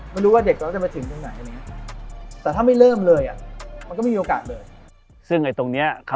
ไม่รู้ว่าเด็กเค้าจะมาถึงตรงไหน